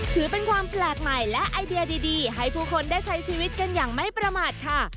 ถือเป็นความแปลกใหม่และไอเดียดีให้ผู้คนได้ใช้ชีวิตกันอย่างไม่ประมาทค่ะ